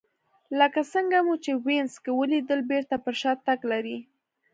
لکه څنګه مو چې په وینز کې ولیدل بېرته پر شا تګ لري